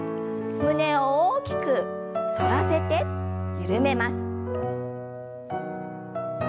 胸を大きく反らせて緩めます。